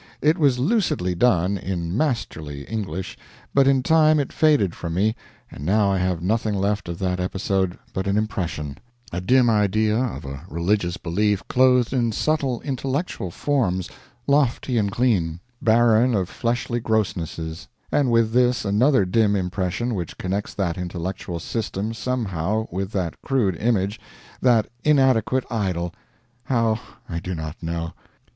It was lucidly done, in masterly English, but in time it faded from me, and now I have nothing left of that episode but an impression: a dim idea of a religious belief clothed in subtle intellectual forms, lofty and clean, barren of fleshly grossnesses; and with this another dim impression which connects that intellectual system somehow with that crude image, that inadequate idol how, I do not know.